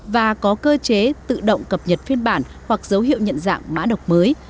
và có cơ chế tự động cập nhật phiên bản hoặc dấu hiệu nhận dạng mã độc mới